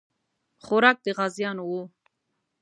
خوراک د غازیانو وو.